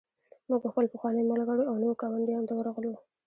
موږ خپلو پخوانیو ملګرو او نویو ګاونډیانو ته ورغلو